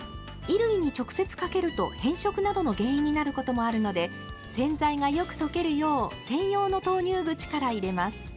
衣類に直接かけると変色などの原因になることもあるので洗剤がよく溶けるよう専用の投入口から入れます。